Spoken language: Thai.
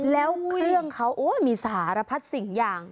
แล้วเครื่องเขามีสารพัดสิ่งอย่าง